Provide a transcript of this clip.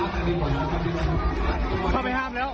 เข้าไปห้ามแล้ว